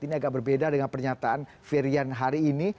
ini agak berbeda dengan pernyataan firian hari ini